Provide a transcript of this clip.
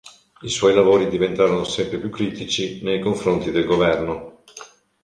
I suoi lavori diventarono sempre più critici nei confronti del governo.